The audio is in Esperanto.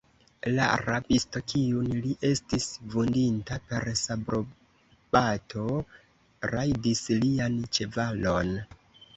La rabisto, kiun li estis vundinta per sabrobato, rajdis lian ĉevalon.